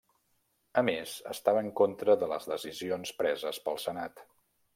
A més estava en contra de les decisions preses pel senat.